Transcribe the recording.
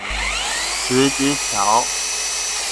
辭職橋